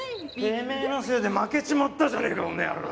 てめえのせいで負けちまったじゃねえかこの野郎！